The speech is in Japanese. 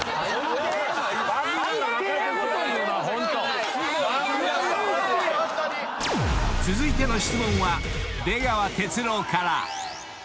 ［続いての質問は出川哲朗から］